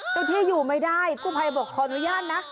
เจ้าที่อยู่ไม่ได้กู้ภัยบอกขออนุญาตนะ